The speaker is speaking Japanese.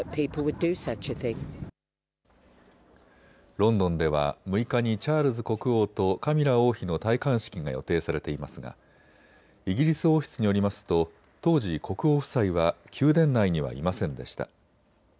ロンドンでは６日にチャールズ国王とカミラ王妃の戴冠式が予定されていますがイギリス王室によりますと当時、国王夫妻は宮殿内にはいませんでした。